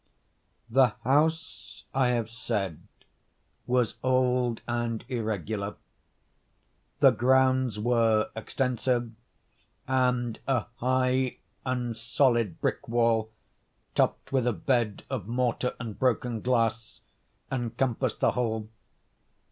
The house, I have said, was old and irregular. The grounds were extensive, and a high and solid brick wall, topped with a bed of mortar and broken glass, encompassed the whole.